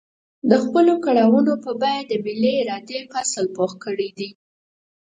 د خپلو کړاوونو په بيه د ملي ارادې فصل پوخ کړی دی.